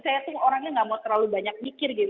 saya tuh orangnya gak mau terlalu banyak mikir gitu